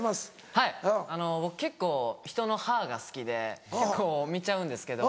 はい僕結構ひとの歯が好きで結構見ちゃうんですけど。